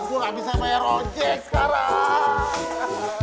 gue gabisa payah rojek sekarang